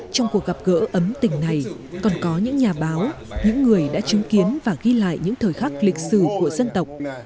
trong cuộc gặp gỡ ấm tình này còn có những nhà báo những người đã chứng kiến và ghi lại những thời khắc lịch sử của dân tộc